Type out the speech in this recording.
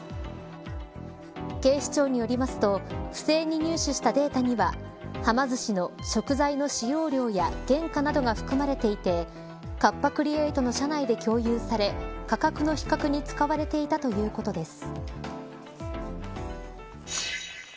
警視庁によりますと不正に入手したデータにははま寿司の食材の使用量や原価などが含まれていてカッパ・クリエイトの社内で共有され価格の比較に使われていたということです。